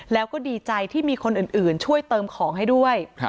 แล้วก็ดีใจที่มีคนอื่นช่วยเติมของให้ด้วย